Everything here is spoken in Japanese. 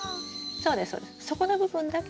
そうです。